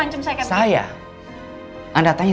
apapun kavasi di antara orang lain